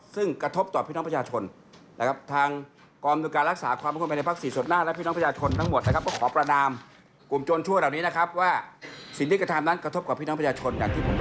สินกระทบต่อพี่น้องประชาชน